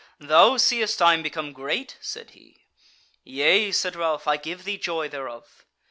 "Thou seest I am become great?" said he. "Yea," said Ralph, "I give thee joy thereof!"